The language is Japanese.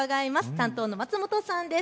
担当の松本さんです。